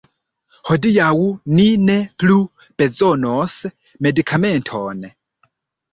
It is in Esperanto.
Hodiaŭ ni ne plu bezonos medikamenton!